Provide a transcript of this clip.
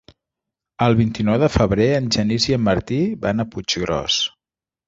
El vint-i-nou de febrer en Genís i en Martí van a Puiggròs.